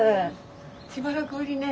しばらくぶりね。